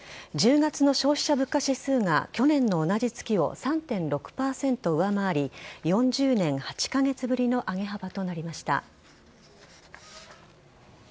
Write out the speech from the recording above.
１０月の消費者物価指数が去年の同じ月を３．６％上回り４０年８カ月ぶりの上げ幅となりました。